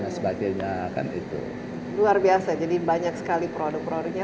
luar biasa jadi banyak sekali produk produknya